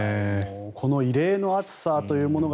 この異例の暑さというものが